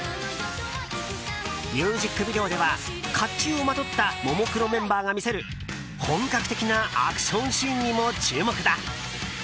ミュージックビデオでは甲冑をまとったももクロメンバーが見せる本格的なアクションシーンにも注目だ。